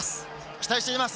期待しています。